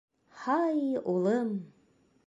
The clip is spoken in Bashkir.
Һай, улым!